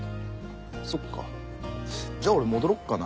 そっかじゃあ俺戻ろっかな。